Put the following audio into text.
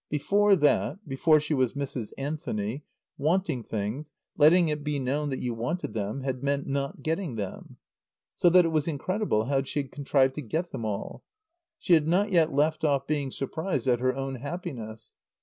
Before that (before she was Mrs. Anthony), wanting things, letting it be known that you wanted them, had meant not getting them. So that it was incredible how she had contrived to get them all. She had not yet left off being surprised at her own happiness.